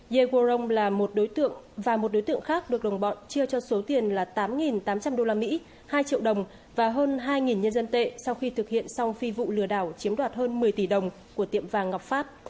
yegrong là một đối tượng và một đối tượng khác được đồng bọn chia cho số tiền là tám tám trăm linh usd hai triệu đồng và hơn hai nhân dân tệ sau khi thực hiện xong phi vụ lừa đảo chiếm đoạt hơn một mươi tỷ đồng của tiệm vàng ngọc phát